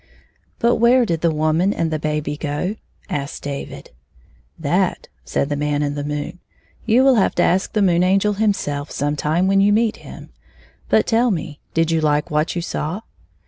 " But where did the woman and the baby go ?" asked David. " That," said the Man in tHe moon, " you will have to ask the Moon Angel himself sometime when you meet him. But tell me, did you like what you saw